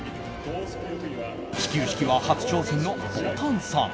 始球式は初挑戦のぼたんさん。